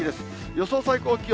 予想最高気温。